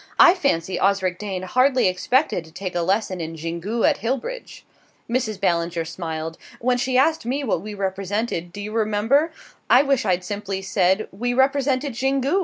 "I fancy Osric Dane hardly expected to take a lesson in Xingu at Hillbridge!" Mrs. Ballinger smiled. "When she asked me what we represented do you remember? I wish I'd simply said we represented Xingu!"